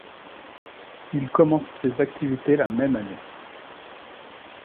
Il commence ses activités la même année.